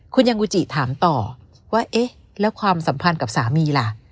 คุณยังกูจิถามต่อว่าเอ๊ะแล้วความสัมพันธ์กับสามีล่ะ